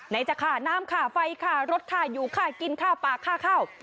ไหนจ่ะค่ะน้ำค่ะไฟค่ะรถค่ะยูค่ะกินค่ะปลาค่ะข้าว